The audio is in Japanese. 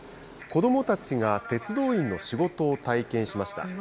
子どもたちが鉄道員の仕事を体験しました。